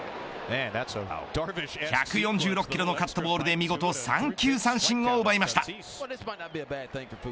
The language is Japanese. １４６キロのカットボールで見事３球三振を奪いました。